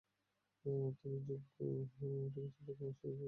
তুমি যাঁর যোগ্য নও সে পুরুষ কোথায় আছে?